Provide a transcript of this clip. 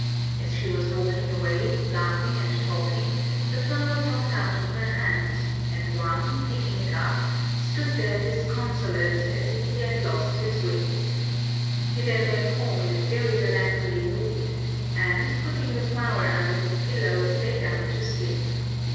As she was walking away, laughing and talking, the flower dropped out of her hand; and Wang, picking it up, stood there disconsolate as if he had lost his wits. He then went home in a very melancholy mood; and, putting the flower under his pillow, lay down to sleep.